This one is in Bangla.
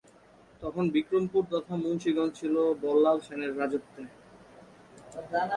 তখন বিক্রমপুর তথা মুন্সীগঞ্জ ছিল বল্লাল সেনের রাজত্বে।